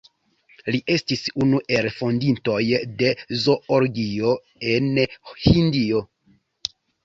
Li estis unu el la fondintoj de zoologio en Hindio.